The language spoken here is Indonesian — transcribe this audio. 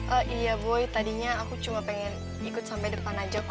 oh iya boy tadinya aku cuma pengen ikut sampai depan aja